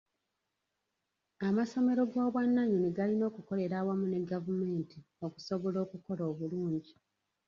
Amasomero g'obwannannyini galina okukolera awamu ne gavumenti okusobola okukola obulungi